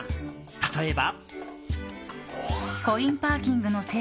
例えば。